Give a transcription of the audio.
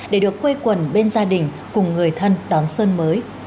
để được quây quần bên gia đình cùng người thân đón xuân mới